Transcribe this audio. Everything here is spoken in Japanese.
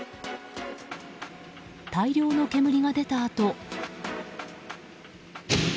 大量の煙が出たあと。